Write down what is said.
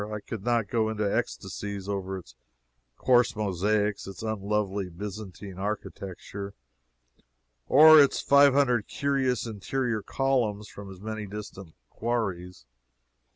I could not go into ecstasies over its coarse mosaics, its unlovely Byzantine architecture, or its five hundred curious interior columns from as many distant quarries.